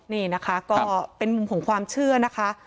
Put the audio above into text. นี่นะคะก็เป็นมุมของความเชื่อนะคะ